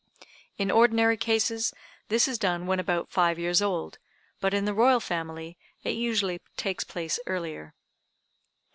In ordinary cases, this is done when about five years old, but in the Royal Family, it usually takes place earlier.